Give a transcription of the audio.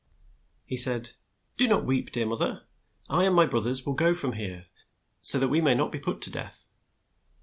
He said, "Do not weep, dear moth er. I and my broth ers will go from here, so that we may not be put to death."